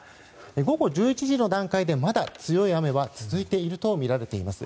午後１１時の段階でまだ強い雨は続いているとみられます。